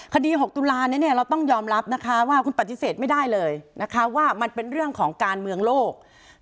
คดี๖ตุลาเราต้องยอมรับนะคะว่าคุณปฏิเสธไม่ได้เลยนะคะว่ามันเป็นเรื่องของการเมืองโลก